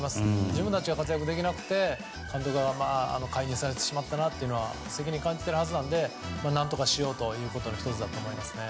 自分たちが活躍できなくて監督が解任されてしまったと責任を感じているはずなので何とかしようということの１つだと思いますね。